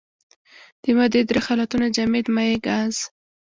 د مادې درې حالتونه جامد مايع ګاز.